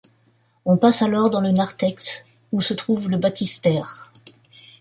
On passe alors dans le narthex où se trouve le baptistère.